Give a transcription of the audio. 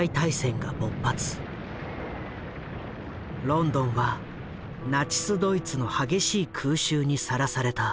ロンドンはナチス・ドイツの激しい空襲にさらされた。